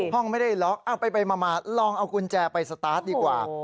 ไม่ได้ล็อกเอาไปมาลองเอากุญแจไปสตาร์ทดีกว่า